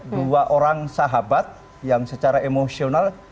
dua orang sahabat yang secara emosional